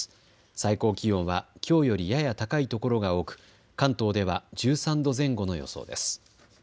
最高気温はきょうよりやや高いところが多く関東では１３度前後の予想です。